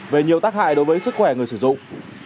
về nhiều tác hại đối với sức khỏe người sử dụng